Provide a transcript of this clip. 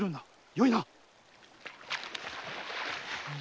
よいなっ！